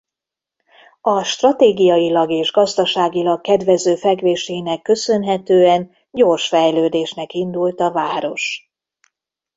A stratégiailag és gazdaságilag kedvező fekvésének köszönhetően gyors fejlődésnek indult a város.